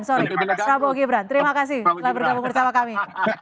terima kasih telah bergabung bersama kami